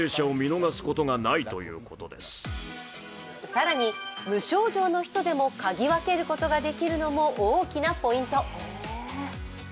更に無症状の人でも嗅ぎ分けることができるのも大きなポイント。